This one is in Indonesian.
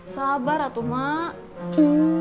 sabar atu mak